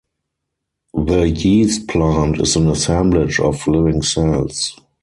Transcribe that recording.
The yeast-plant is an assemblage of living cells.